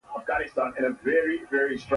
خو دا قانون عملاً له ستر ګواښ سره مخامخ دی.